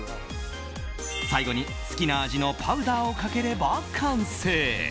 最後に、好きな味のパウダーをかければ完成！